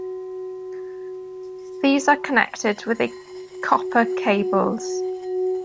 These are connected with a copper cables.